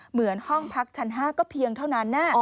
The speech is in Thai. เหมือนห้องพักชั้น๕ก็เพียงเท่านั้น